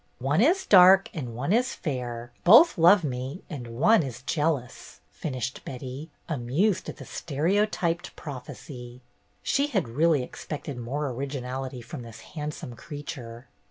"One is dark and one is fair; both love me, and one is jealous," finished Betty, amused at the stereotyped prophecy. She had really ex pected more originality from this handsome creature.